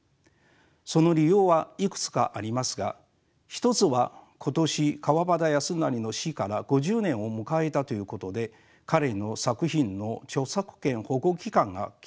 その理由はいくつかありますが一つは今年川端康成の死から５０年を迎えたということで彼の作品の著作権保護期間が切れたためでした。